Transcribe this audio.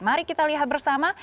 mari kita lihat bersama